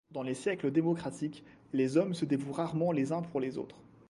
Dans les siècles démocratiques, les hommes se dévouent rarement les uns pour les autres